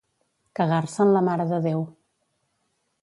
Cagar-se en la Mare de Déu.